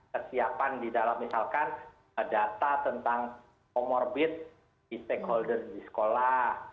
kesiapan di dalam misalkan data tentang comorbid di stakeholder di sekolah